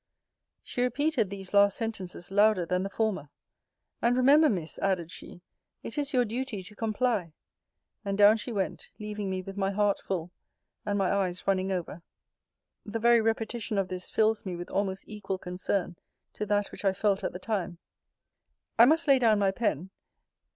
She repeated these last sentences louder than the former. 'And remember, Miss,' added she, 'it is your duty to comply.' And down she went, leaving me with my heart full, and my eyes running over. The very repetition of this fills me with almost equal concern to that which I felt at the time. I must lay down my pen.